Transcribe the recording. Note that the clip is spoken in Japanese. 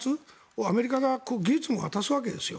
アメリカが技術も渡すわけです。